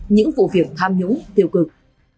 những vụ việc tham nhũng tiêu cực